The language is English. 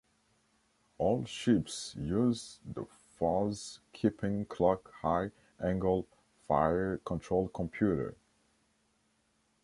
All ships used the Fuze Keeping Clock High Angle Fire Control Computer.